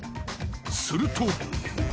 すると。